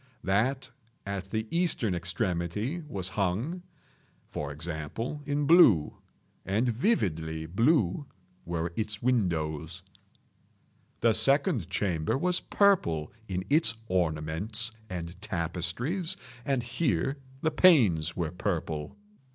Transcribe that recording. That at the eastern extremity was hung, for example, in blue—and vividly blue were its windows. The second chamber was purple in its ornaments and tapestries, and here the panes were purple.